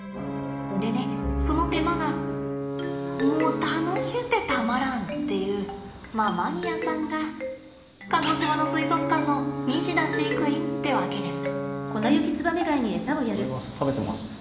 でねその手間がもう楽しゅうてたまらんっていうまあマニアさんが鹿児島の水族館の西田飼育員ってわけです。